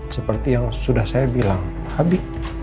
seperti yang sudah saya bilang habib